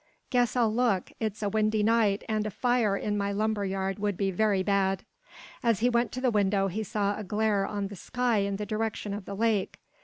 Guess I'll look. It's a windy night and a fire in my lumber yard would be very bad." As he went to the window he saw a glare on the sky in the direction of the lake.